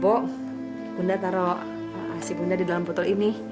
bunda taruh si bunda di dalam botol ini